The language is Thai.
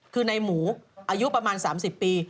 คือในหมูอายุประมาณ๓๐ปี